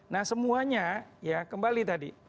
nah semuanya ya kembali tadi